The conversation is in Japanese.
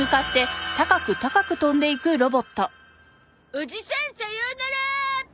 おじさんさようなら！